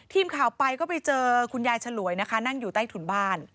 ทีมข่าวไปก็ไปเจอคุณยายฉลวยนะคะนั่งอยู่ใต้ถุนบ้าน